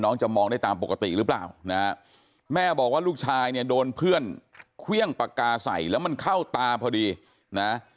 จะมองได้ตามปกติหรือเปล่านะแม่บอกว่าลูกชายเนี่ยโดนเพื่อนเครื่องปากกาใส่แล้วมันเข้าตาพอดีนะ